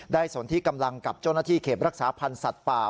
สนที่กำลังกับเจ้าหน้าที่เขตรักษาพันธ์สัตว์ป่า